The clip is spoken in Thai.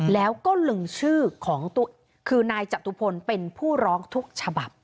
แล้วก็ลงชื่อของคือนายจตุพลเป็นผู้ร้องทุกฉบับ